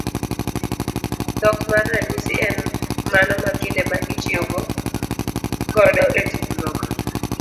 Dhok mar ranyisi en mano mapile ma itiyo godo e tudruok.